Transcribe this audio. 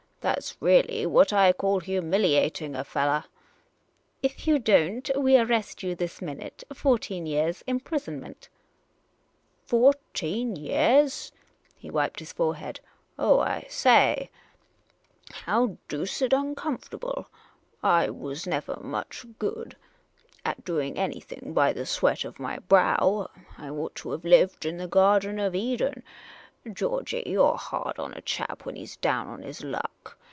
That 's really what I call humiliating a fellah !"" If you don't, we arrest you this minute — fourteen years' imprisonment !"" Fourteen yeahs ?" He wiped his forehead. " Oh, I say ! How doosid uncomfortable ! I was nevah much good The Unprofessional Detective 341 at doing anything by the sweat of my brow. I ought to have lived in the Garden of Eden. Georgey, you 're hard on a chap when he 's down on his hick.